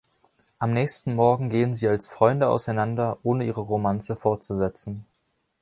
Am nächsten Morgen gehen sie als Freunde auseinander, ohne ihre Romanze fortzusetzen.